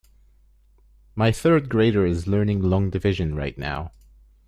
My third grader is learning long division right now.